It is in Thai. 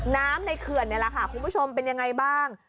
น้ำในเขื่อนนี่แหละค่ะคุณผู้ชมเป็นยังไงบ้าง